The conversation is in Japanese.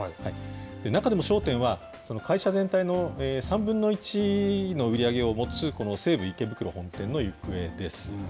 中でも焦点は、会社全体の３分の１の売り上げを持つ、この西武池袋本店の行方です。